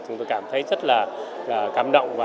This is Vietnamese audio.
chúng tôi cảm thấy rất là cảm động